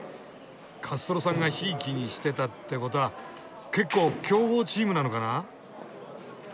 カストロさんが贔屓にしてたってことは結構強豪チームなのかな？